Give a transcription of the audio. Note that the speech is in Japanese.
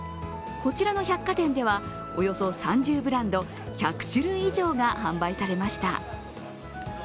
こちらの百貨店ではおよそ３０ブランド、１００種類以上が販売されました。